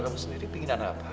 kalau kamu sendiri ingin anak apa